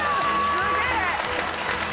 すげえ！